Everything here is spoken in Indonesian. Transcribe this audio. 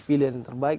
pilihan yang terbaik